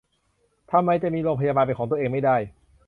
ทำไมจะมีโรงพยาบาลเป็นของตัวเองไม่ได้